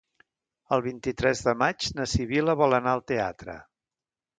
El vint-i-tres de maig na Sibil·la vol anar al teatre.